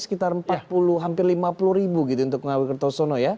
sekitar empat puluh hampir lima puluh ribu gitu untuk ngawi kertosono ya